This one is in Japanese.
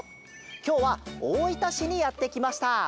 きょうはおおいたしにやってきました。